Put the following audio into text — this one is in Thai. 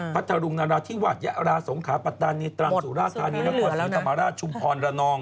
พัทรุงนาราธิวัฒน์ยะลาสงขาปัตตานีตรังสุราคานิรกรสินตมรรรดิชุมพรระนอง